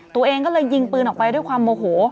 ตัวเองก็เลยยิงปืนออกไปด้วยความโมโห